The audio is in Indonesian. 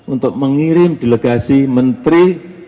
untuk mengirim delegasi menteri